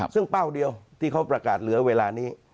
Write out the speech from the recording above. ซึ่งเป้าเดียวที่เขาประกาศเหลือเวลานี้